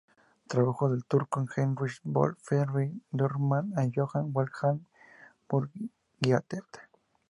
Tradujo al turco a Heinrich Böll, Friedrich Dürrenmatt o Johann Wolfgang von Goethe.